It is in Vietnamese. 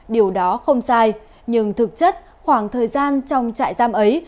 điều đó không sai nhưng thực chất khoảng thời gian trong trại giam ấy